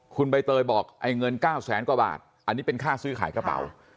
คุณใบเตยบอกไอ้เงิน๙แสนกว่าบาทอันนี้เป็นค่าซื้อขายกระเป๋า